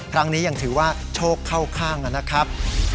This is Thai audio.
ครั้งนี้ยังถือว่าโชคเข้าข้างนะครับ